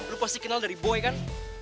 lu pasti kenal dari boy kan